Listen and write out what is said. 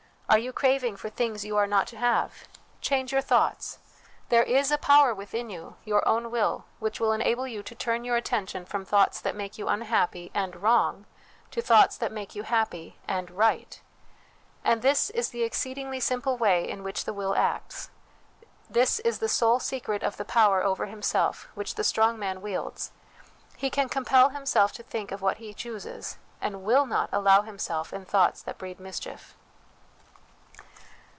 Are you craving for things you are not to have ? Change your thoughts ; 326 HOME EDUCATION there is a power within you, your own will, which will enable you to turn your attention from thoughts that make you unhappy and wrong, to thoughts that make you happy and right. And this is the exceedingly simple way in which the will acts ; this is the sole secret of the power over himself which the strong man wields he can compel himself to think of what he chooses, and will not allow himself in thoughts that breed mischief.